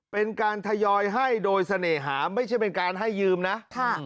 เป็นการทยอยให้โดยเสน่หาไม่ใช่เป็นการให้ยืมนะค่ะ